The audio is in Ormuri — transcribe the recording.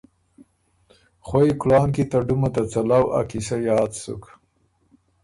خوئ کُلان کی ته ډُمه ته څَلؤ ا قیصۀ یاد سُک۔